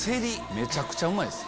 めちゃくちゃうまいです。